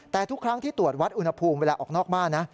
แต่ทุกครั้งที่ตรวจวัดอุณหภูมิเวลาออกนอกบ้านนะ